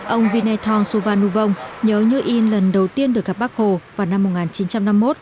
ông vinay thong su phan ngu vong nhớ như yên lần đầu tiên được gặp bác hồ vào năm một nghìn chín trăm năm mươi một